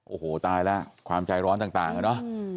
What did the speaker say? โอ้โหตายแล้วความใจร้อนต่างนะ